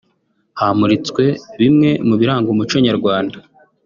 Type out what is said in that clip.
hamuritswe bimwe mu biranga umuco nyarwanda